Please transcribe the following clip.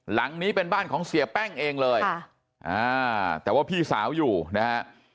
หลังนี้เป็นบ้านของเสียแป้งเองเลยแต่ว่าพี่สาวอยู่นะฮะ